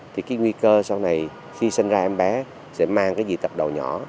thì cái nguy cơ sau này khi sinh ra em bé sẽ mang cái dị tập đầu nhỏ